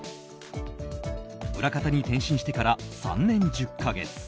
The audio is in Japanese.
裏方に転身してから３年１０か月。